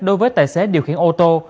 đối với tài xế điều khiển ô tô